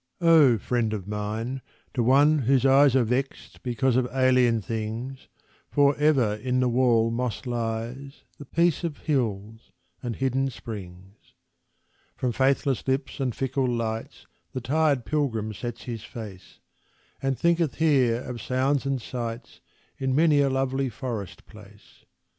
Oh, friend of mine, to one whose eyes Are vexed because of alien things, For ever in the wall moss lies The peace of hills and hidden springs. From faithless lips and fickle lights The tired pilgrim sets his face, And thinketh here of sounds and sights In many a lovely forest place.